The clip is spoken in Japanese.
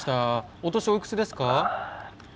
お年おいくつですか？